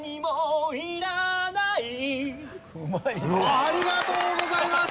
ありがとうございます。